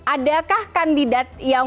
adakah kandidat yang